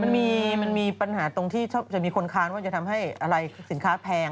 มันมีปัญหาตรงที่จะมีคนค้านว่าจะทำให้อะไรสินค้าแพง